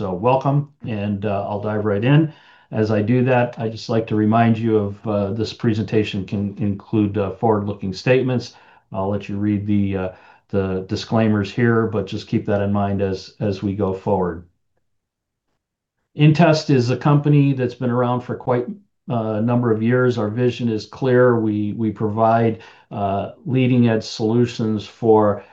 Welcome, and I'll dive right in. I do that, I'd just like to remind you of this presentation can include forward-looking statements. I'll let you read the disclaimers here, just keep that in mind as we go forward. inTEST Corporation is a company that's been around for quite a number of years. Our vision is clear. We provide leading-edge solutions for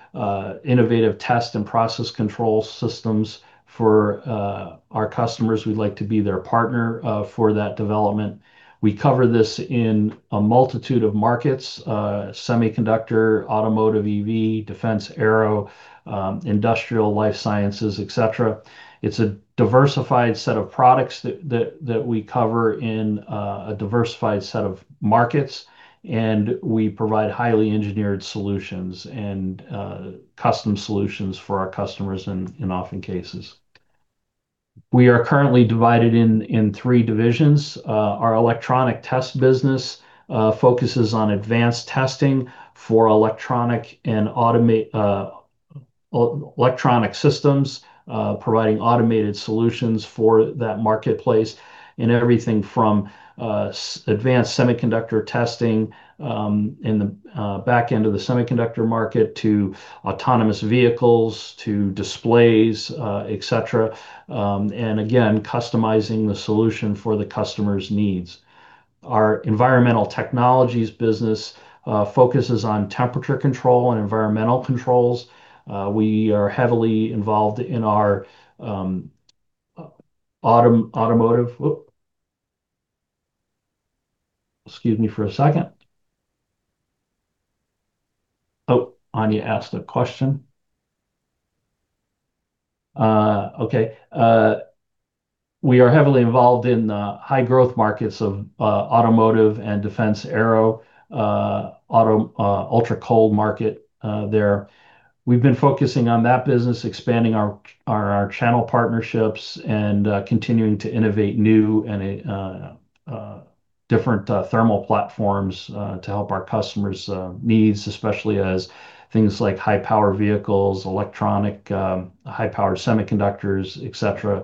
innovative test and process control systems for our customers. We'd like to be their partner for that development. We cover this in a multitude of markets, semiconductor, automotive, EV, defense, aero, industrial life sciences, et cetera. It's a diversified set of products that we cover in a diversified set of markets, we provide highly engineered solutions and custom solutions for our customers in often cases. We are currently divided in three divisions. Our electronic test business focuses on advanced testing for electronic systems, providing automated solutions for that marketplace in everything from advanced semiconductor testing in the back end of the semiconductor market to autonomous vehicles, to displays, et cetera. Again, customizing the solution for the customer's needs. Our environmental technologies business focuses on temperature control and environmental controls. We are heavily involved in our automotive. Excuse me for a second. Anya asked a question. Okay. We are heavily involved in the high growth markets of automotive and defense aero, ultra-cold market there. We've been focusing on that business, expanding our channel partnerships and continuing to innovate new and different thermal platforms to help our customers' needs, especially as things like high-power vehicles, electronic high-powered semiconductors, et cetera,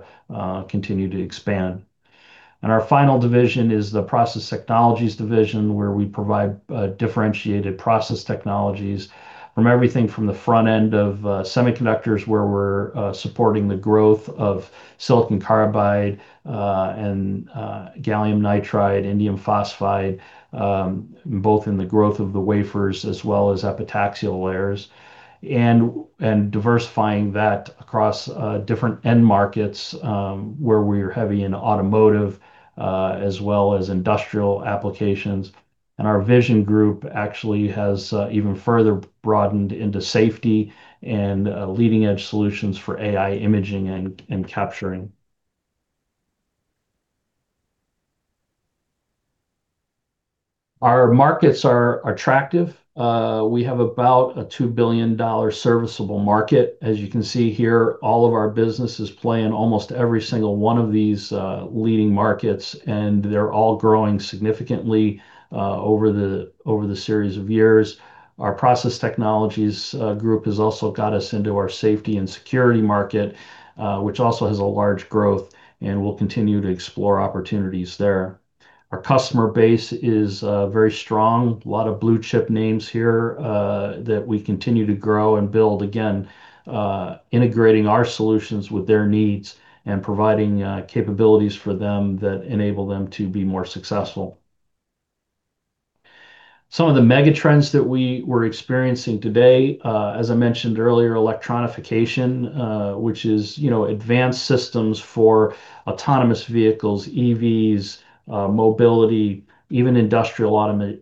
continue to expand. Our final division is the Process Technologies Division, where we provide differentiated process technologies from everything from the front end of semiconductors, where we're supporting the growth of silicon carbide and gallium nitride, indium phosphide, both in the growth of the wafers as well as epitaxial layers. Diversifying that across different end markets, where we are heavy in automotive, as well as industrial applications. Our vision group actually has even further broadened into safety and leading-edge solutions for AI imaging and capturing. Our markets are attractive. We have about a $2 billion serviceable market. As you can see here, all of our businesses play in almost every single one of these leading markets, and they're all growing significantly over the series of years. Our process technologies group has also got us into our safety and security market, which also has a large growth. We'll continue to explore opportunities there. Our customer base is very strong. A lot of blue-chip names here that we continue to grow and build, again, integrating our solutions with their needs and providing capabilities for them that enable them to be more successful. Some of the megatrends that we were experiencing today, as I mentioned earlier, electronification, which is advanced systems for autonomous vehicles, EVs, mobility, even industrial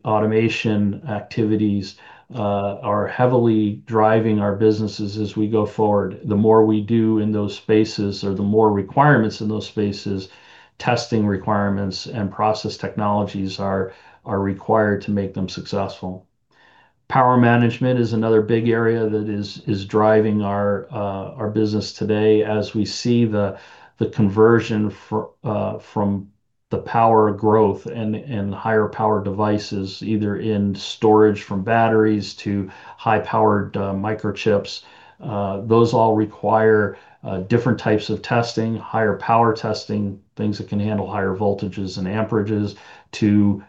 automation activities are heavily driving our businesses as we go forward. The more we do in those spaces or the more requirements in those spaces, testing requirements and process technologies are required to make them successful. Power management is another big area that is driving our business today as we see the conversion from the power growth and higher power devices, either in storage from batteries to high-powered microchips. Those all require different types of testing, higher power testing, things that can handle higher voltages and amperages to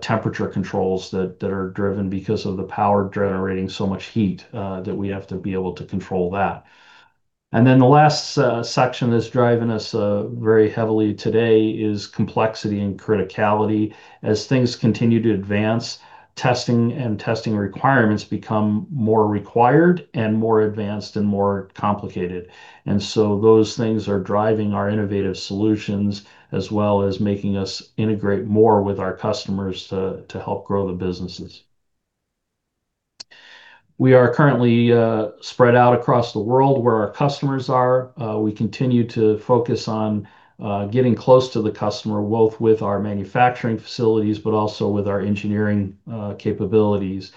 temperature controls that are driven because of the power generating so much heat that we have to be able to control that. The last section that's driving us very heavily today is complexity and criticality. As things continue to advance, testing and testing requirements become more required and more advanced and more complicated. Those things are driving our innovative solutions, as well as making us integrate more with our customers to help grow the businesses. We are currently spread out across the world where our customers are. We continue to focus on getting close to the customer, both with our manufacturing facilities, but also with our engineering capabilities.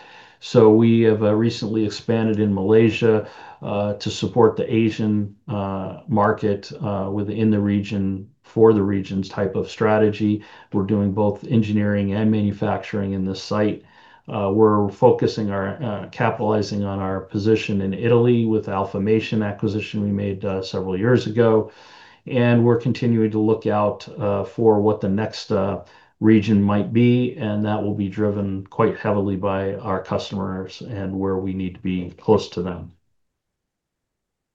We have recently expanded in Malaysia to support the Asian market within the region for the region's type of strategy. We're doing both engineering and manufacturing in this site. We're focusing capitalizing on our position in Italy with Alfamation acquisition we made several years ago, and we're continuing to look out for what the next region might be, and that will be driven quite heavily by our customers and where we need to be close to them.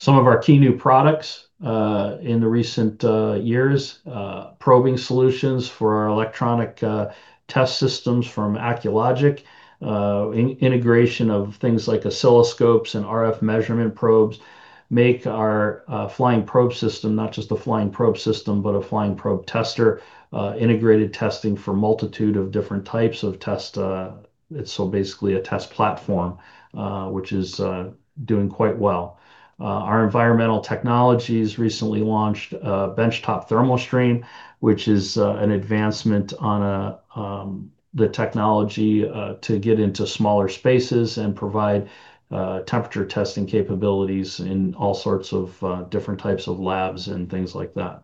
Some of our key new products in the recent years, probing solutions for our electronic test systems from Acculogic. Integration of things like oscilloscopes and RF measurement probes make our flying probe system not just a flying probe system, but a flying probe tester, integrated testing for multitude of different types of test. It's basically a test platform, which is doing quite well. Our environmental technologies recently launched a benchtop ThermoStream, which is an advancement on the technology to get into smaller spaces and provide temperature testing capabilities in all sorts of different types of labs and things like that.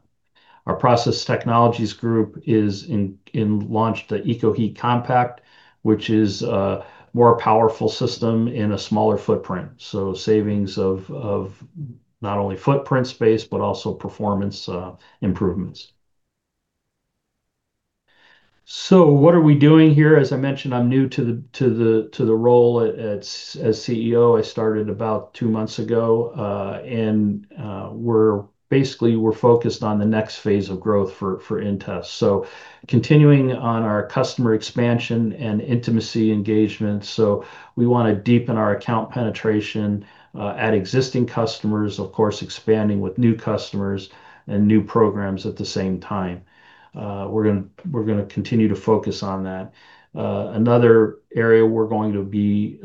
Our process technologies group launched the Compact EKOHEAT, which is a more powerful system in a smaller footprint. Savings of not only footprint space, but also performance improvements. What are we doing here? As I mentioned, I'm new to the role as CEO. I started about two months ago. We're basically focused on the next phase of growth for inTEST. Continuing on our customer expansion and intimacy engagement, so we want to deepen our account penetration at existing customers, of course, expanding with new customers and new programs at the same time. We're going to continue to focus on that. Another area we're going to be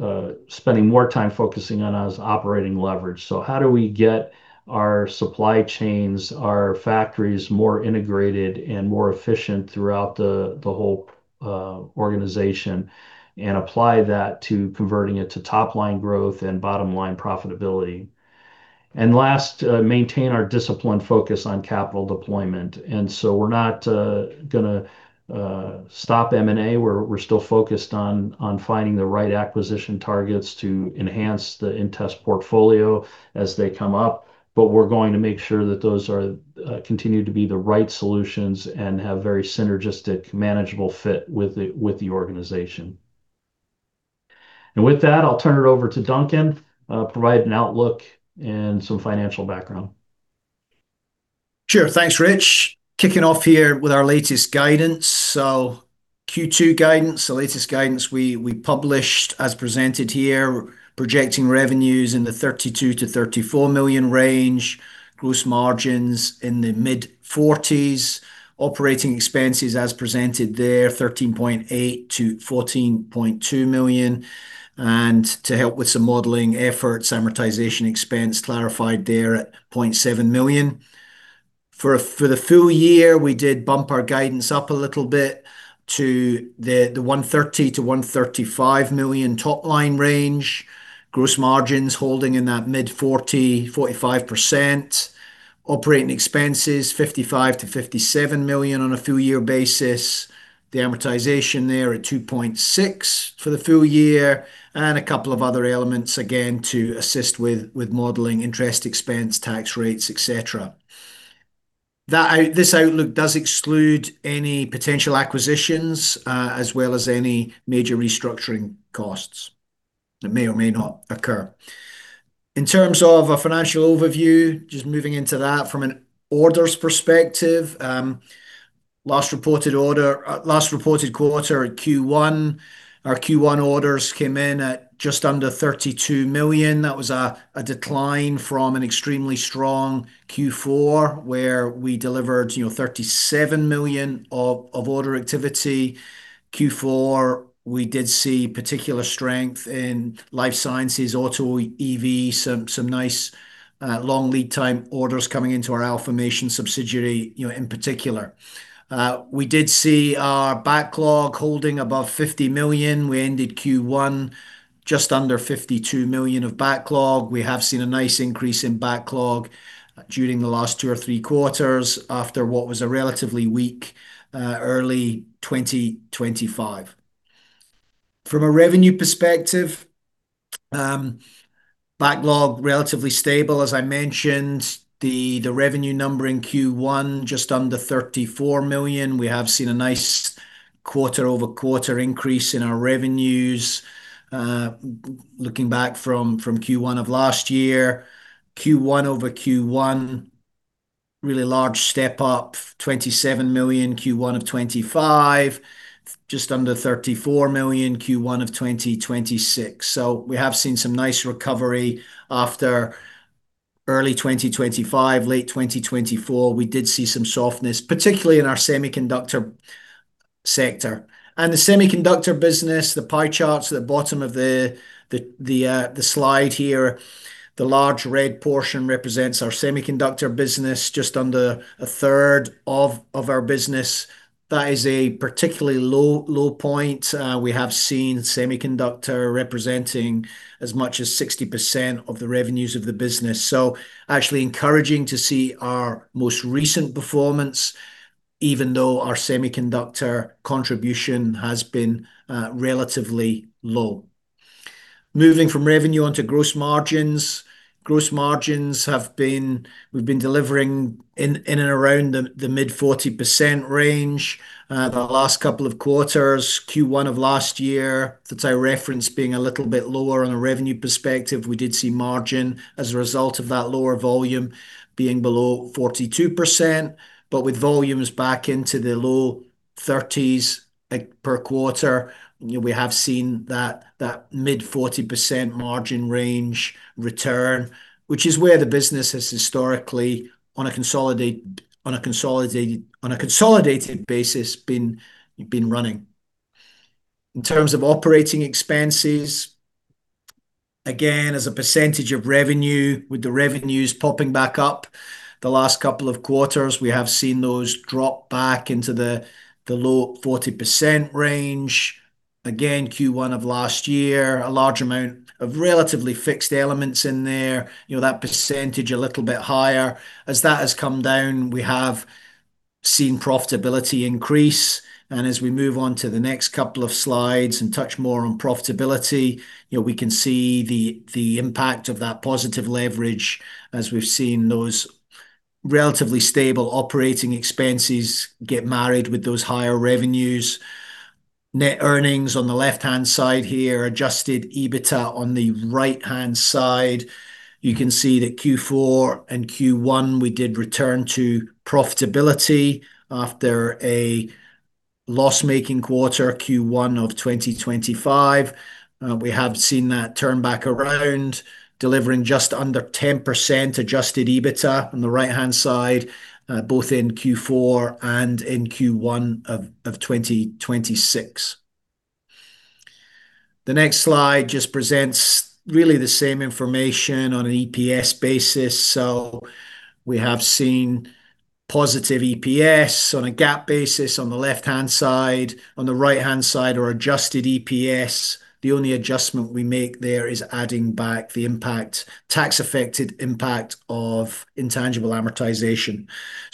spending more time focusing on is operating leverage. How do we get our supply chains, our factories more integrated and more efficient throughout the whole organization and apply that to converting it to top-line growth and bottom-line profitability? Last, maintain our disciplined focus on capital deployment. We're not going to stop M&A. We're still focused on finding the right acquisition targets to enhance the inTEST portfolio as they come up. We're going to make sure that those continue to be the right solutions and have very synergistic, manageable fit with the organization. With that, I'll turn it over to Duncan to provide an outlook and some financial background. Sure. Thanks, Rich. Kicking off here with our latest guidance. Q2 guidance, the latest guidance we published as presented here, projecting revenues in the $32 million-$34 million range, gross margins in the mid-40s, operating expenses as presented there, $13.8 million-$14.2 million. To help with some modeling efforts, amortization expense clarified there at $0.7 million. For the full year, we did bump our guidance up a little bit to the $130 million-$135 million top-line range. Gross margins holding in that mid-40, 45%. Operating expenses, $55 million-$57 million on a full year basis. The amortization there at $2.6 million for the full year. A couple of other elements, again, to assist with modeling interest expense, tax rates, et cetera. This outlook does exclude any potential acquisitions, as well as any major restructuring costs that may or may not occur. In terms of a financial overview, just moving into that from an orders perspective, last reported quarter at Q1, our Q1 orders came in at just under $32 million. That was a decline from an extremely strong Q4 where we delivered $37 million of order activity. Q4, we did see particular strength in life sciences, auto, EV, some nice long lead time orders coming into our Alfamation subsidiary in particular. We did see our backlog holding above $50 million. We ended Q1 just under $52 million of backlog. We have seen a nice increase in backlog during the last two or three quarters after what was a relatively weak early 2025. From a revenue perspective, backlog relatively stable. As I mentioned, the revenue number in Q1 just under $34 million. We have seen a nice quarter-over-quarter increase in our revenues. Looking back from Q1 of last year, Q1-over-Q1, really large step up, $27 million Q1 of 2025, just under $34 million Q1 of 2026. We have seen some nice recovery after early 2025. Late 2024, we did see some softness, particularly in our semiconductor sector. The semiconductor business, the pie charts at the bottom of the slide here, the large red portion represents our semiconductor business, just under 1/3 of our business. That is a particularly low point. We have seen semiconductor representing as much as 60% of the revenues of the business. Actually encouraging to see our most recent performance, even though our semiconductor contribution has been relatively low. Moving from revenue onto gross margins. Gross margins we've been delivering in and around the mid-40% range. The last couple of quarters, Q1 of last year, that I referenced being a little bit lower on a revenue perspective, we did see margin as a result of that lower volume being below 42%, but with volumes back into the low 30s per quarter, we have seen that mid 40% margin range return, which is where the business has historically, on a consolidated basis, been running. In terms of operating expenses, again, as a percentage of revenue, with the revenues popping back up the last couple of quarters, we have seen those drop back into the low 40% range. Again, Q1 of last year, a large amount of relatively fixed elements in there, that percentage a little bit higher. As that has come down, we have seen profitability increase, as we move on to the next couple of slides and touch more on profitability, we can see the impact of that positive leverage as we've seen those relatively stable operating expenses get married with those higher revenues. Net earnings on the left-hand side here, adjusted EBITDA on the right-hand side. You can see that Q4 and Q1 we did return to profitability after a loss-making quarter, Q1 of 2025. We have seen that turn back around, delivering just under 10% adjusted EBITDA on the right-hand side, both in Q4 and in Q1 of 2026. The next slide just presents really the same information on an EPS basis. We have seen positive EPS on a GAAP basis on the left-hand side. On the right-hand side, our adjusted EPS, the only adjustment we make there is adding back the tax-affected impact of intangible amortization.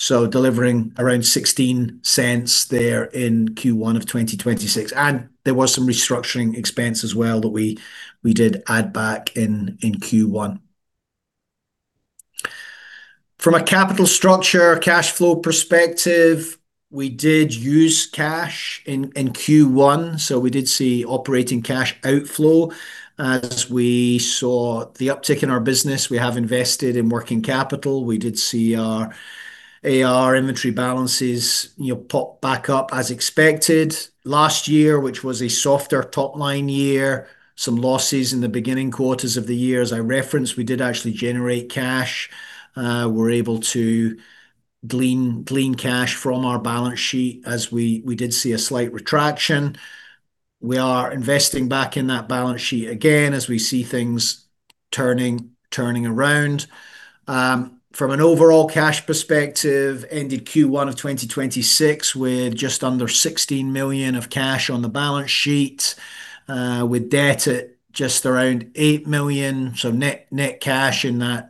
Delivering around $0.16 there in Q1 of 2026. There was some restructuring expense as well that we did add back in Q1. From a capital structure cash flow perspective, we did use cash in Q1. We did see operating cash outflow. As we saw the uptick in our business, we have invested in working capital. We did see our AR inventory balances pop back up as expected. Last year, which was a softer top-line year, some losses in the beginning quarters of the year, as I referenced, we did actually generate cash. We're able to glean cash from our balance sheet as we did see a slight retraction. We are investing back in that balance sheet again as we see things turning around. From an overall cash perspective, ended Q1 of 2026 with just under $16 million of cash on the balance sheet, with debt at just around $8 million, so net cash in that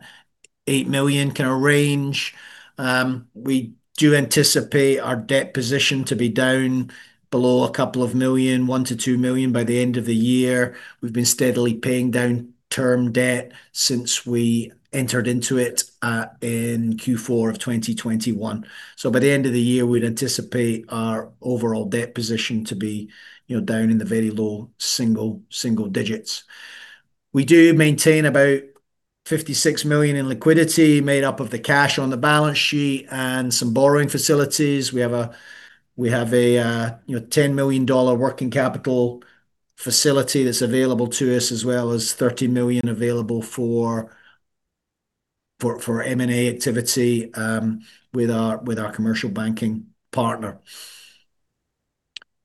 $8 million kind of range. We do anticipate our debt position to be down below a couple of million, $1 million to $2 million by the end of the year. We've been steadily paying down term debt since we entered into it in Q4 of 2021. By the end of the year, we'd anticipate our overall debt position to be down in the very low single digits. We do maintain about $56 million in liquidity made up of the cash on the balance sheet and some borrowing facilities. We have a $10 million working capital facility that's available to us, as well as $30 million available for M&A activity with our commercial banking partner.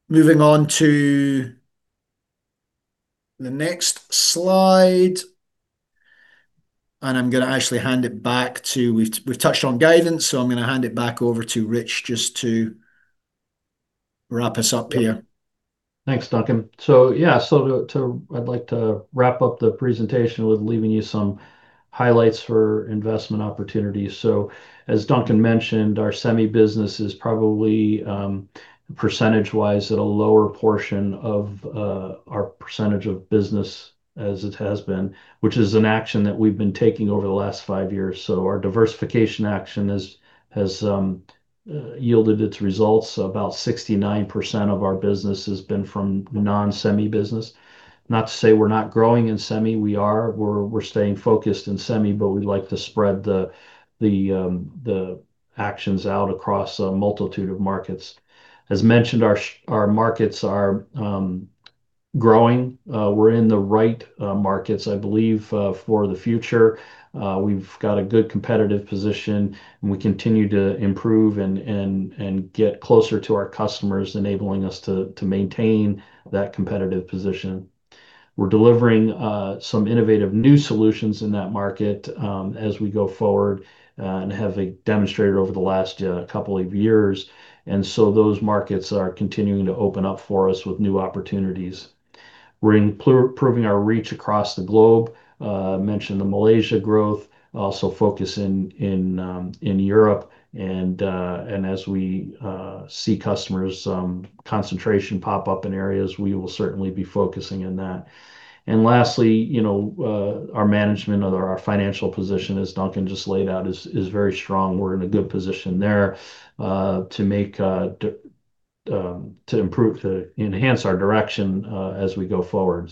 Moving on to the next slide. We've touched on guidance, so I'm going to actually hand it back over to Rich just to wrap us up here. Thanks, Duncan. Yeah, I'd like to wrap up the presentation with leaving you some highlights for investment opportunities. As Duncan mentioned, our semi business is probably, percentage-wise, at a lower portion of our percentage of business as it has been, which is an action that we've been taking over the last five years. Our diversification action has yielded its results. About 69% of our business has been from the non-semi business. Not to say we're not growing in semi, we are. We're staying focused in semi, but we'd like to spread the actions out across a multitude of markets. As mentioned, our markets are growing. We're in the right markets, I believe, for the future. We've got a good competitive position, and we continue to improve and get closer to our customers, enabling us to maintain that competitive position. We're delivering some innovative new solutions in that market as we go forward and have demonstrated over the last couple of years. Those markets are continuing to open up for us with new opportunities. We're improving our reach across the globe. Mentioned the Malaysia growth, also focus in Europe and as we see customers' concentration pop up in areas, we will certainly be focusing on that. Lastly, our management of our financial position, as Duncan just laid out, is very strong. We're in a good position there to enhance our direction as we go forward.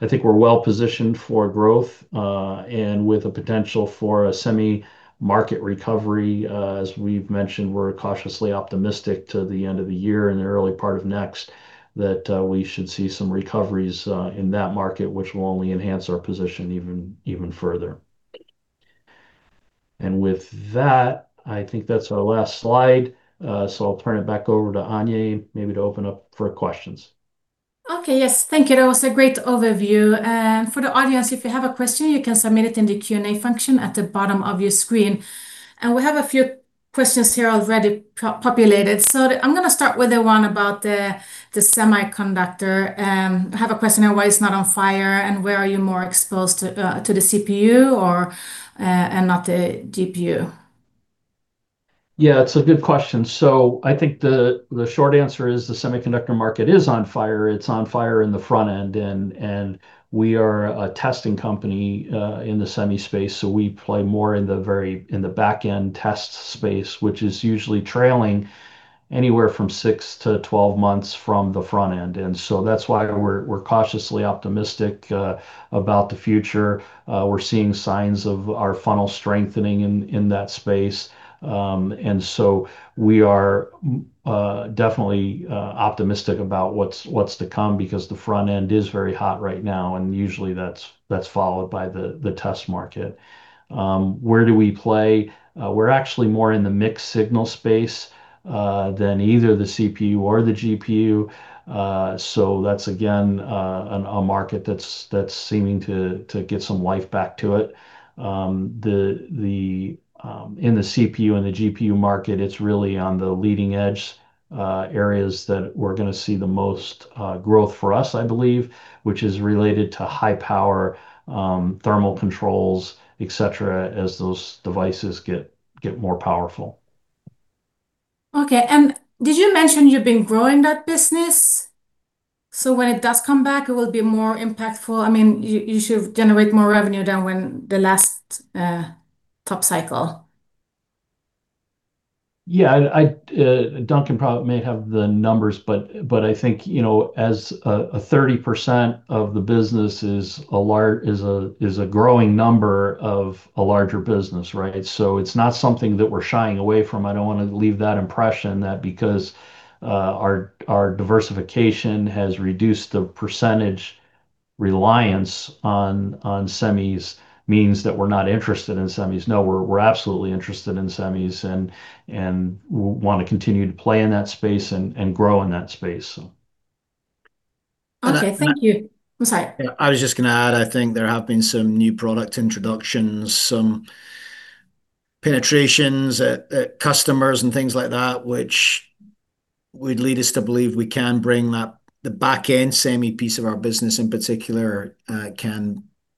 I think we're well-positioned for growth, and with a potential for a semi market recovery. As we've mentioned, we're cautiously optimistic to the end of the year and the early part of next that we should see some recoveries in that market, which will only enhance our position even further. With that, I think that's our last slide, so I'll turn it back over to Anya maybe to open up for questions. Okay. Yes. Thank you. That was a great overview. For the audience, if you have a question, you can submit it in the Q&A function at the bottom of your screen. We have a few questions here already populated. I'm going to start with the one about the semiconductor. I have a question here, why it's not on fire, and where are you more exposed to the CPU and not the GPU? Yeah, it's a good question. I think the short answer is the semiconductor market is on fire. It's on fire in the front end. We are a testing company in the semi space, so we play more in the back end test space, which is usually trailing anywhere from six-12 months from the front end. That's why we're cautiously optimistic about the future. We're seeing signs of our funnel strengthening in that space. We are definitely optimistic about what's to come because the front end is very hot right now, and usually that's followed by the test market. Where do we play? We're actually more in the mixed-signal space than either the CPU or the GPU. That's again a market that's seeming to get some life back to it. In the CPU and the GPU market, it's really on the leading edge areas that we're going to see the most growth for us, I believe, which is related to high power, thermal controls, et cetera, as those devices get more powerful. Okay. Did you mention you've been growing that business? When it does come back, it will be more impactful. You should generate more revenue than when the last top cycle. Yeah. Duncan probably may have the numbers, but I think as a 30% of the business is a growing number of a larger business, right? It's not something that we're shying away from. I don't want to leave that impression that because our diversification has reduced the percentage reliance on semis means that we're not interested in semis. No, we're absolutely interested in semis and want to continue to play in that space and grow in that space. Okay, thank you. I'm sorry. I was just going to add, I think there have been some new product introductions, some penetrations at customers and things like that, which would lead us to believe we can bring the back end semi piece of our business in particular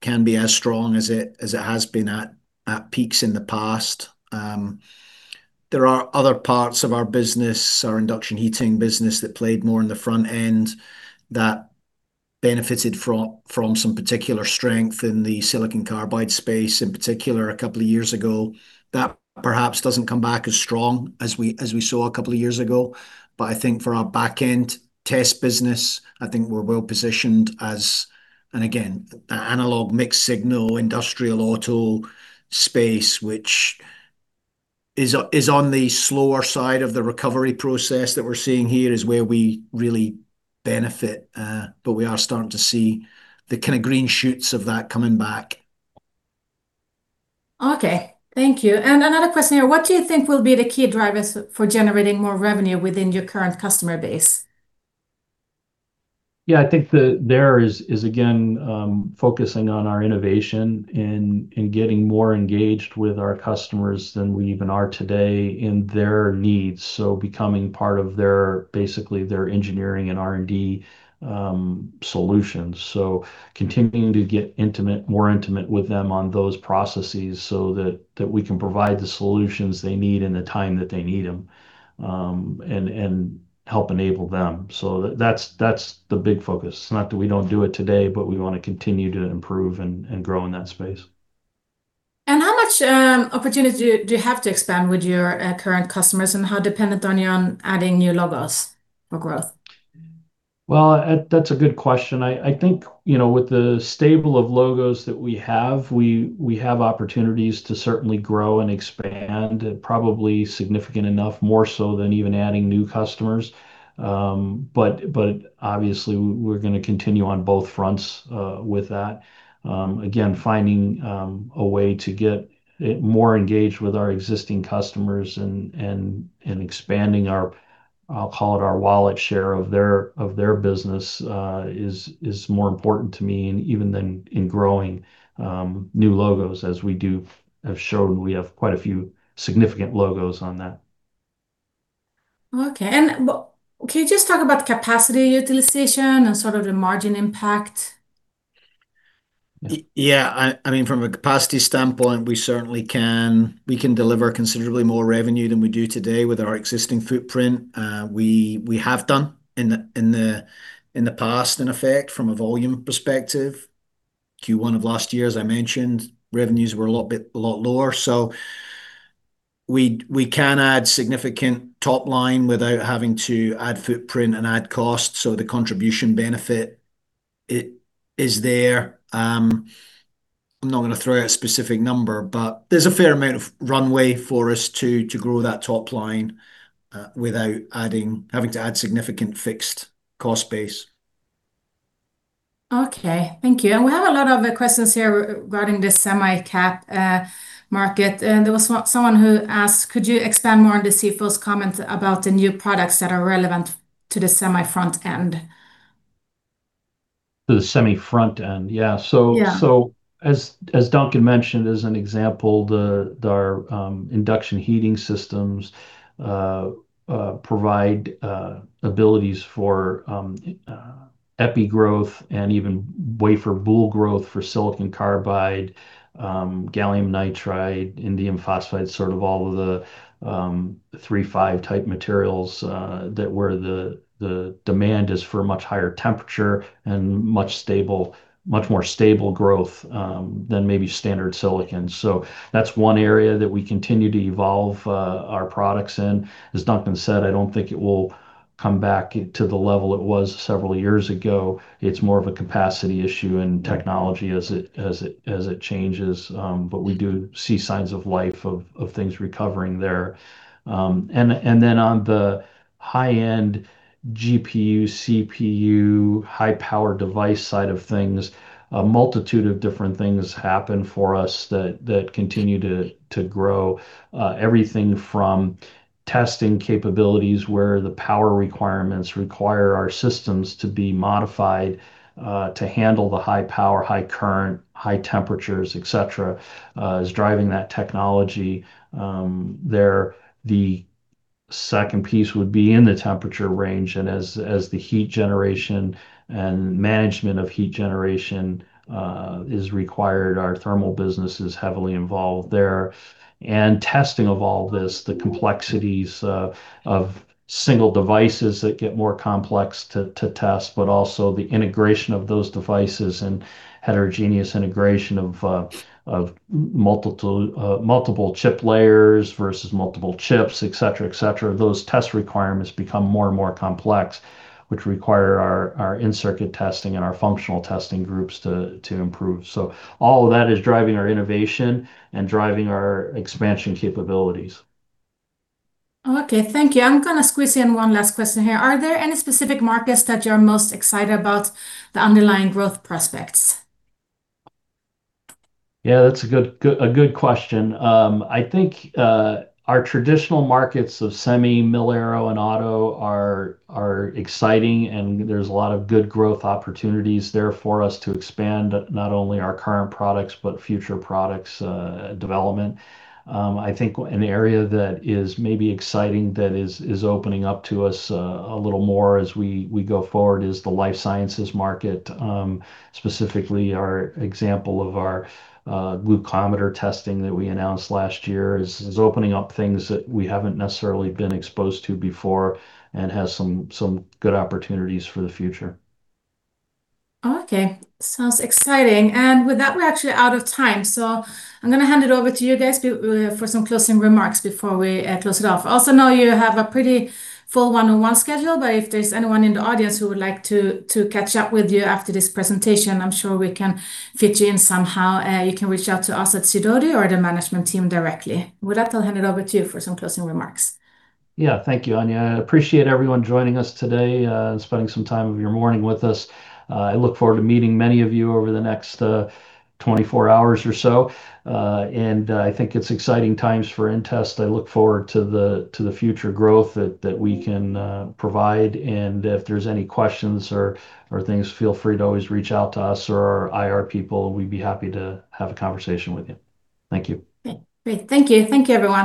can be as strong as it has been at peaks in the past. There are other parts of our business, our induction heating business that played more in the front end that benefited from some particular strength in the silicon carbide space, in particular a couple of years ago, that perhaps doesn't come back as strong as we saw a couple of years ago. I think for our back end test business, I think we're well-positioned as, and again, the analog mixed-signal industrial auto space, which is on the slower side of the recovery process that we're seeing here, is where we really benefit. We are starting to see the kind of green shoots of that coming back. Okay. Thank you. Another question here. What do you think will be the key drivers for generating more revenue within your current customer base? I think there is again, focusing on our innovation and getting more engaged with our customers than we even are today in their needs. Becoming part of basically their engineering and R&D solutions. Continuing to get more intimate with them on those processes so that we can provide the solutions they need in the time that they need them, and help enable them. That's the big focus. It's not that we don't do it today, but we want to continue to improve and grow in that space. How much opportunity do you have to expand with your current customers, and how dependent are you on adding new logos for growth? Well, that's a good question. I think, with the stable of logos that we have, we have opportunities to certainly grow and expand probably significant enough more so than even adding new customers. Obviously we're going to continue on both fronts with that. Again, finding a way to get more engaged with our existing customers and expanding our, I'll call it our wallet share of their business, is more important to me and even than in growing new logos as we do have shown we have quite a few significant logos on that. Okay. Can you just talk about capacity utilization and sort of the margin impact? Yeah. From a capacity standpoint, we certainly can deliver considerably more revenue than we do today with our existing footprint. We have done in the past, in effect, from a volume perspective. Q1 of last year, as I mentioned, revenues were a lot lower. We can add significant top line without having to add footprint and add cost. The contribution benefit is there. I'm not going to throw out a specific number, but there's a fair amount of runway for us to grow that top line without having to add significant fixed cost base. Okay. Thank you. We have a lot of questions here regarding the semi-cap market. There was someone who asked, could you expand more on the CFO's comment about the new products that are relevant to the semi front end? The semi front end. Yeah. As Duncan mentioned as an example, our induction heating systems provide abilities for epi growth and even wafer boule growth for silicon carbide, gallium nitride, indium phosphide, sort of all of the III-V type materials where the demand is for much higher temperature and much more stable growth than maybe standard silicon. That's one area that we continue to evolve our products in. As Duncan said, I don't think it will come back to the level it was several years ago. It's more of a capacity issue and technology as it changes, but we do see signs of life of things recovering there. On the high-end GPU, CPU, high-power device side of things, a multitude of different things happen for us that continue to grow. Everything from testing capabilities where the power requirements require our systems to be modified to handle the high power, high current, high temperatures, et cetera, is driving that technology there. The second piece would be in the temperature range and as the heat generation and management of heat generation is required, our thermal business is heavily involved there. Testing of all this, the complexities of single devices that get more complex to test, but also the integration of those devices and heterogeneous integration of multiple chip layers versus multiple chips, et cetera. Those test requirements become more and more complex, which require our in-circuit testing and our functional testing groups to improve. All of that is driving our innovation and driving our expansion capabilities. Okay, thank you. I'm going to squeeze in one last question here. Are there any specific markets that you're most excited about the underlying growth prospects? Yeah, that's a good question. I think our traditional markets of semi, mil-aero, and auto are exciting, and there's a lot of good growth opportunities there for us to expand not only our current products but future products development. I think an area that is maybe exciting that is opening up to us a little more as we go forward is the life sciences market. Specifically our example of our glucometer testing that we announced last year is opening up things that we haven't necessarily been exposed to before and has some good opportunities for the future. Okay. Sounds exciting. With that, we're actually out of time, I'm going to hand it over to you guys for some closing remarks before we close it off. I also know you have a pretty full one-on-one schedule, if there's anyone in the audience who would like to catch up with you after this presentation, I'm sure we can fit you in somehow. You can reach out to us at Sidoti or the management team directly. With that, I'll hand it over to you for some closing remarks. Yeah. Thank you, Anya. I appreciate everyone joining us today and spending some time of your morning with us. I look forward to meeting many of you over the next 24 hours or so. I think it's exciting times for inTEST. I look forward to the future growth that we can provide, and if there's any questions or things, feel free to always reach out to us or our IR people. We'd be happy to have a conversation with you. Thank you. Great. Thank you. Thank you, everyone.